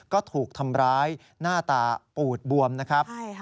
ก็ถูกทำร้ายหน้าตาปูดบวมนะครับ